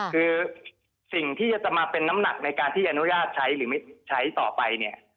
คือสิ่งที่จะมาเป็นน้ำหนักในการที่อนุญาตใช้หรือไม่ใช้ต่อไปเนี่ย